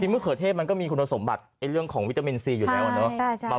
มะเขือเทศมันก็มีคุณสมบัติเรื่องของวิตามินซีอยู่แล้ว